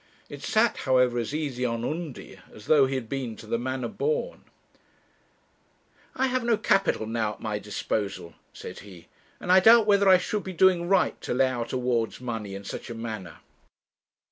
It sat, however, as easy on Undy as though he had been to the manner born. 'I have no capital now at my disposal,' said he; 'and I doubt whether I should be doing right to lay out a ward's money in such a manner.'